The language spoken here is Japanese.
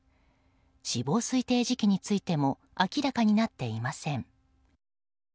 死亡推定時期についても明らかになっていません。